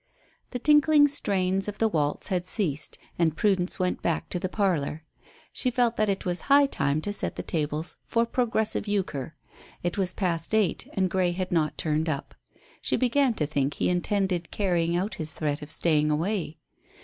The tinkling strains of the waltz had ceased, and Prudence went back to the parlour. She felt that it was high time to set the tables for "progressive euchre." It was past eight and Grey had not turned up. She began to think he intended carrying out his threat of staying away.